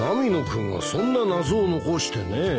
君がそんな謎を残してねぇ。